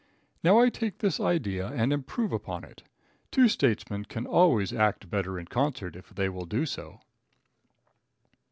Now I take this idea and improve upon it. Two statesmen can always act better in concert if they will do so.